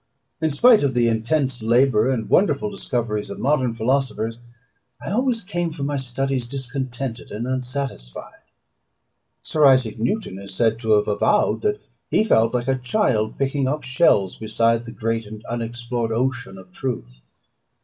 In spite of the intense labour and wonderful discoveries of modern philosophers, I always came from my studies discontented and unsatisfied. Sir Isaac Newton is said to have avowed that he felt like a child picking up shells beside the great and unexplored ocean of truth.